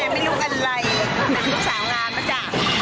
ไม่รู้กันอะไรลูกสาวงานมาจ้ะ